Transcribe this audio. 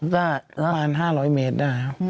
ก็๑๕๐๐เมตรได้ครับ